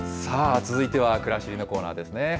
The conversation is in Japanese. さあ、続いてはくらしりのコーナーですね。